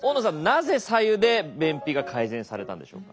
なぜ白湯で便秘が改善されたんでしょうか？